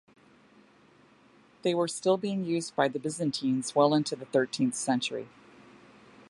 They were still being used by the Byzantines well into the thirteenth century.